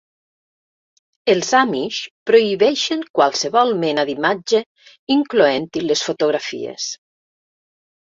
Els Amish prohibeixen qualsevol mena d'imatge, incloent-hi les fotografies.